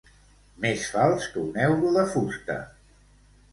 Més fals que un euro de fusta.